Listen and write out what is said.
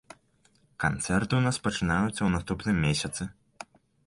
Канцэрты ў нас пачынаюцца ў наступным месяцы.